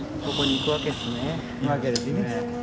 行くわけですね。